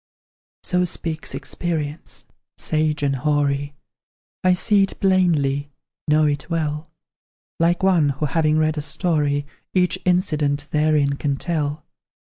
So speaks experience, sage and hoary; I see it plainly, know it well, Like one who, having read a story, Each incident therein can tell.